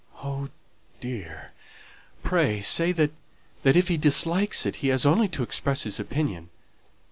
"Oh dear! Pray say that, if he dislikes it, he has only to express his opinion."